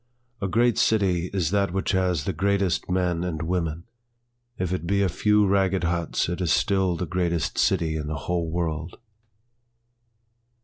A great city is that which has the greatest men and women, If it be a few ragged huts it is still the greatest city in the whole world.